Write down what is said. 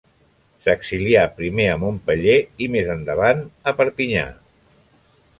S'exilià primer a Montpeller i més endavant a Perpinyà.